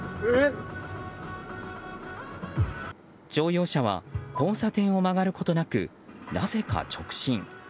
乗用車は交差点を曲がることなくなぜか直進。